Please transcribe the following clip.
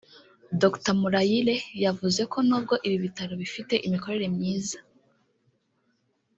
Dr Murayire yavuze ko n’ubwo ibi bitaro bifite imikorere myiza